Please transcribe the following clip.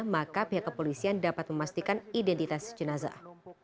maka pihak kepolisian dapat memastikan identitas jenazah